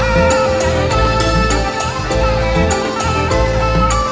โชว์สี่ภาคจากอัลคาซ่าครับ